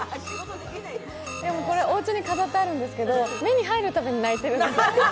これ、おうちに飾ってあるんですけど、目に入るたびに泣いているんです。